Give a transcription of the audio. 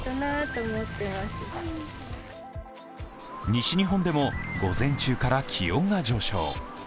西日本でも午前中から気温が上昇。